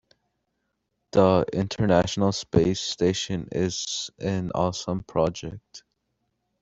The international space station is an awesome project.